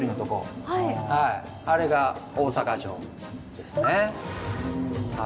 あれが大阪城ですね。